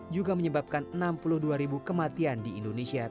juga menyebabkan enam puluh dua kematian di dunia